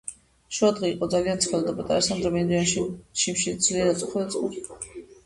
შუადღე იყო ძალიან ცხელოდა პატარა სანდრო მინდვრიდან შინ ბრუნდებოდა შიმშილიც ძლიერ აწუხებდა და წყურვილიც